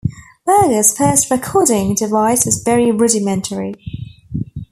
Berger's first recording device was very rudimentary.